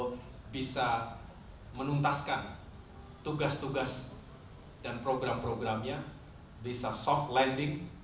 untuk bisa menuntaskan tugas tugas dan program programnya bisa soft landing